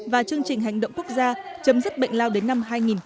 và chương trình hành động quốc gia chấm dứt bệnh lao đến năm hai nghìn ba mươi